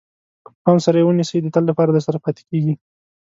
که په پام سره یې ونیسئ د تل لپاره درسره پاتې کېږي.